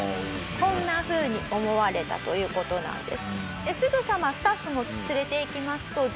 こんなふうに思われたという事なんです。